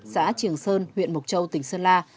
xã triềng sơn huyện mộc châu tỉnh sơn la